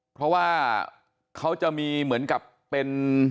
เพราะว่าเขาจะมีเหมือนกับเป็น